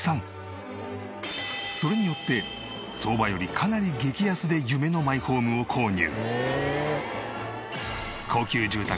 それによって相場よりかなり激安で夢のマイホームを購入。